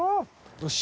よし。